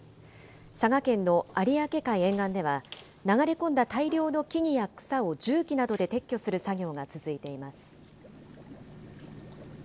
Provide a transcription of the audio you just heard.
佐賀県の有明海沿岸では、流れ込んだ大量の木々や草を重機などで撤去する作業が続いています。